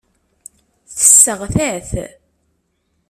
Tesseɣta-t.